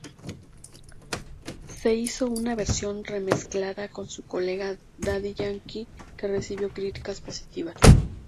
Se hizo una versión remezcla con su colega Daddy Yankee que recibió críticas positivas.